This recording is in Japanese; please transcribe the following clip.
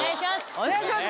お願いします